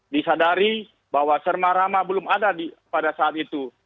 disadari bahwa serma rama belum ada pada saat itu